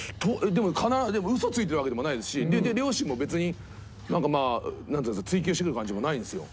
でも嘘ついてるわけでもないですし両親も別になんかまあ追及してくる感じもないんですよ。